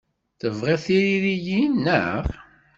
Tebɣiḍ tiririyin, naɣ?